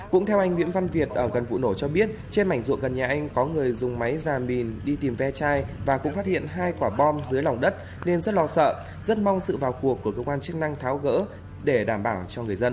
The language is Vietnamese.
cũng theo anh nguyễn văn việt ở gần vụ nổ cho biết trên mảnh ruộng gần nhà anh có người dùng máy giàn mìn đi tìm ve chai và cũng phát hiện hai quả bom dưới lòng đất nên rất lo sợ rất mong sự vào cuộc của cơ quan chức năng tháo gỡ để đảm bảo cho người dân